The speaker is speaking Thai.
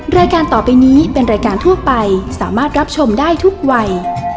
รายการต่อไปนี้เป็นรายการทั่วไปสามารถรับชมได้ทุกวัย